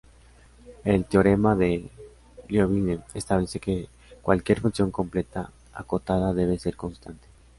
El teorema de Liouville establece que cualquier función completa acotada debe ser constante.